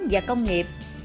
và công nghiệp